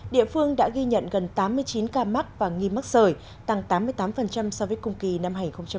địa phương đã ghi nhận gần tám mươi chín ca mắc và nghi mắc sợi tăng tám mươi tám so với cùng kỳ năm hai nghìn một mươi tám